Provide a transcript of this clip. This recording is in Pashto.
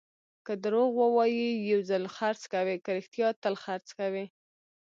که دروغ ووایې، یو ځل خرڅ کوې؛ که رښتیا، تل خرڅ کوې.